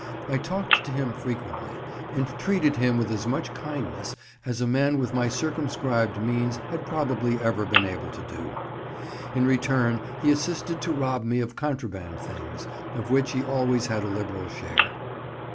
I talked to him frequently, and treated him with as much kindness as a man with my circumscribed means had probably ever been able to. In return he assisted to rob me of contraband things, of which he always had a liberal share.